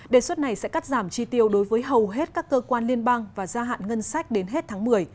đề xuất này sẽ cắt giảm chi tiêu đối với hầu hết các cơ quan liên bang và gia hạn ngân sách đến hết tháng một mươi